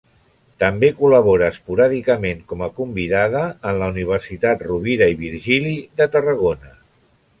També col·labora esporàdicament com a convidada en la Universitat Rovira i Virgili de Tarragona.